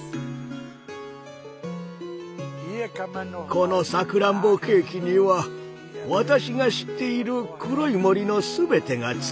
このさくらんぼケーキには私が知っている黒い森のすべてが詰まっています。